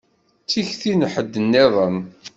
D tikti n ḥedd nniḍen?